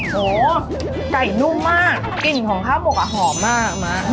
โหไก่นุ่มมากกลิ่นของข้าวหมกอ่ะหอมมากมะ